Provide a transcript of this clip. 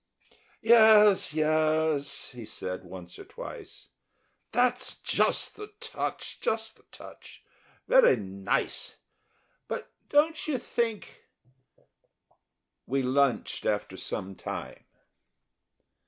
"Yes, yes," he said once or twice, "that's just the touch, just the touch very nice. But don't you think...." We lunched after some time.